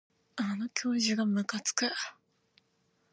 あの教授がむかつく